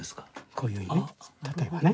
こういうふうにね例えばね。